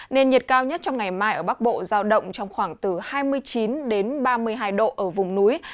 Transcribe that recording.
nền nhiệt cao nhất trong ngày mai ở bắc bộ giao động trong khoảng từ hai mươi chín ba mươi hai độ ở vùng núi